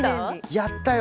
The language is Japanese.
やったよ。